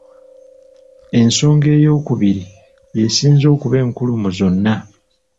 Ensonga eyookubiri y'esinze okuba enkulu mu zonna.